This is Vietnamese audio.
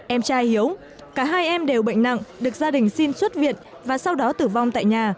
em trai hiếu cả hai em đều bệnh nặng được gia đình xin xuất viện và sau đó tử vong tại nhà